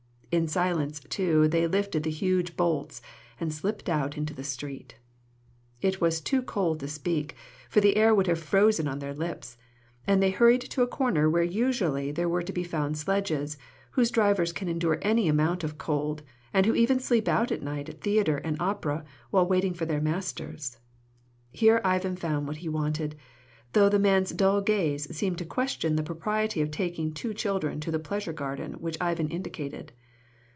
In silence, too, they lifted the huge bolts, and slipped out into the street. It was too cold to speak, for the air would have frozen on their lips, and they hurried to a corner where usually there were to be found sledges, whose drivers can endure any amount of cold, and who even sleep out at night at theatre and opera while waiting for their masters. Here Ivan found what he wanted, though the man's dull gaze seemed to question the propriety of taking two children to the pleasure garden which Ivan indicated.